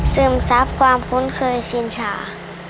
ซับความคุ้นเคยชินชา